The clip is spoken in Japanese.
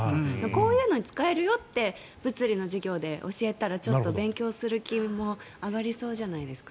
こういうのに使えるよって物理の授業で教えたら、ちょっと勉強する気も上がりそうじゃないですか。